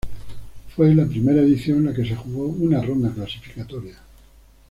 Fue la primera edición en la que se jugó una ronda clasificatoria.